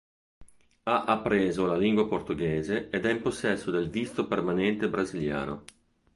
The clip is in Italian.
Ha appreso la lingua portoghese ed è in possesso del visto permanente brasiliano.